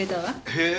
へえ。